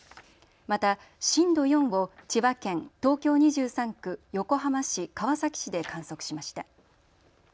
また震度４を千葉県、東京２３区、横浜市、川崎市で観測しました。